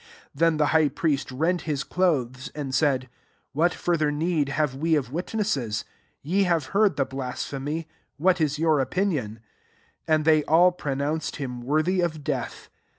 63 Then the high priest rent his clothes, and said, What further need have we of wit nesses ? 64 Ye have heard the blasphemy: what is your opi nion ?'* And they all pronounc ed him worthy of death.